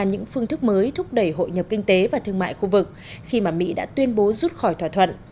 những phương thức mới thúc đẩy hội nhập kinh tế và thương mại khu vực khi mà mỹ đã tuyên bố rút khỏi thỏa thuận